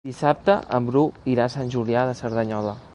Dissabte en Bru irà a Sant Julià de Cerdanyola.